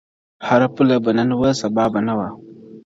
هره پوله به نن وه، سبا به نه وه!.